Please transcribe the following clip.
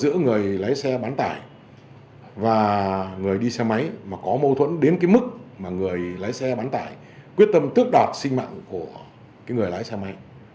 giữa người lái xe bán tải và người đi xe máy mà có mâu thuẫn đến cái mức mà người lái xe bán tải quyết tâm tước đoạt sinh mạng của cái người lái xe máy